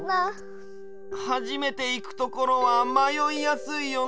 はじめていくところはまよいやすいよね。